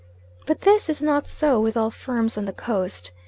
But this is not so with all firms on the Coast.